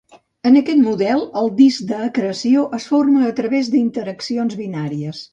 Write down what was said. En aquest model, el disc d'acreció es forma a través d'interaccions binàries.